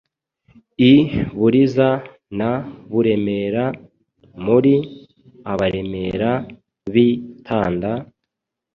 I Buriza na Buremera.Muri abaremere b’i Tanda,